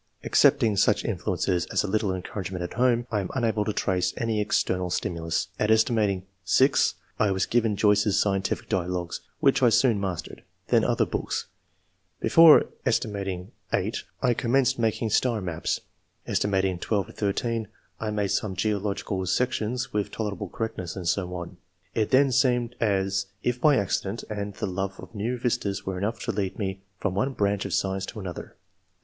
Excepting such influence as a little encouragement at home, I am unable to trace any external stimulus. At aet. 6, I was given Joyce's * Scientific Dialogues/ which I soon mastered, then other books ; before sat. 8, I commenced making star maps ; aet. 12 13, I made some geological sections with tolerable correctness; and so on. It [then] seemed as if any accident and the love of new vistas were enough to lead me from one branch of science to another."